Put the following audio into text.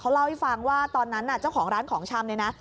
เล่าให้ฟังว่าตอนนั้นเจ้าของร้านของชำเนี่ยนะ